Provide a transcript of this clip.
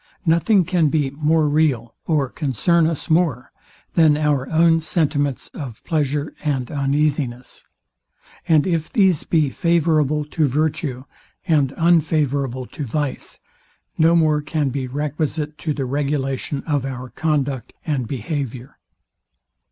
Nothing can be more real, or concern us more, than our own sentiments of pleasure and uneasiness; and if these be favourable to virtue, and unfavourable to vice, no more can be requisite to the regulation of our conduct and behaviour.